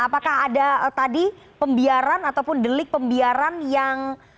apakah ada tadi pembiaran ataupun delik pembiaran yang